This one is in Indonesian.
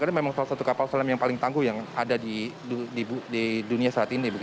karena memang salah satu kapal selam yang paling tangguh yang ada di dunia saat ini